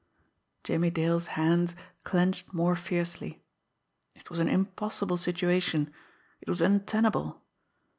Jimmie Dale's hands clenched more fiercely. It was an impossible situation it was untenable.